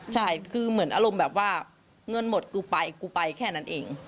ใช่คือเหมือนอารมณ์แบบว่าเงินหมดกูไปกูไปแค่นั้นเอง